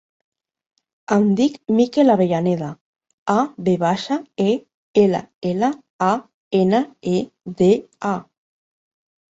Em dic Mikel Avellaneda: a, ve baixa, e, ela, ela, a, ena, e, de, a.